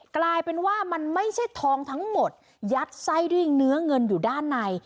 กลายเป็นว่ามันไม่ใช่ทองทั้งหมดยัดไส้ด้วยเนื้อเงินอยู่ด้านใน